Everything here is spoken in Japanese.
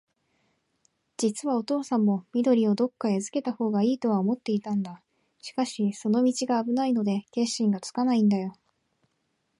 じつはおとうさんも、緑をどっかへあずけたほうがいいとは思っていたんだ。しかし、その道があぶないので、決心がつかないんだよ。